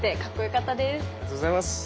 ありがとうございます！